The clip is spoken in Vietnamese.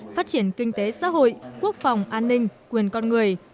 phát triển kinh tế xã hội quốc phòng an ninh quyền con người